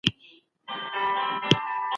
سياسي پريکړي د خلګو ورځنی ژوند بدلوي.